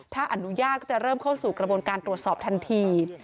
ถ้าอนุญาตก็จะเริ่มเข้าสู่กระบวนการตรวจสอบทันที